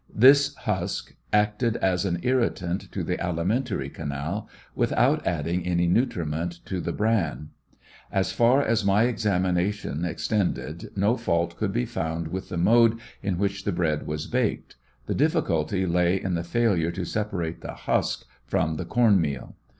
This husk acted as an irritant to the alimentary canal, without adding any nutriment to the brian. As far as my examination extended no fault could be found with the mode in which the bread was baked; the difiiculty lay in the failure to separate the husk from the corn meal.